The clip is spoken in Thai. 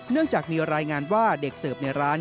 จากมีรายงานว่าเด็กเสิร์ฟในร้าน